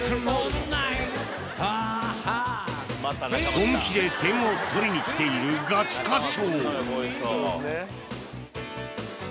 本気で点を取りに来ているガチ歌唱！